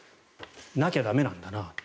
なきゃ駄目なんだなと。